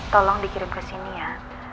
tolong dikirim kesini ya